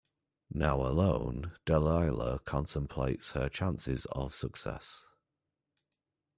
Now alone, Dalila contemplates her chances of success.